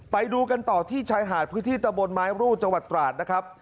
ไปดูกันต่อที่ชายหาดพื้นที่ตะบนไม้รูดจังหวัดตราดนะครับ